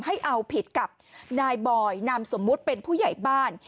ให้เอาผิดกับนายบอยนามสมมุติเป็นผู้ใหญ่บ้าน